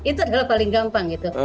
itu adalah paling gampang gitu